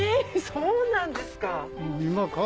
そうなんですか。